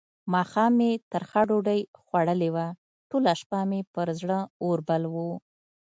ماښام مې ترخه ډوډۍ خوړلې وه؛ ټوله شپه مې پر زړه اور بل وو.